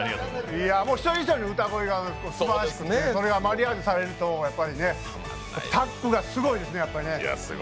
１人１人の歌声がすばらしくて、それがマリアージュされるとやっぱり、タップがすごいですね。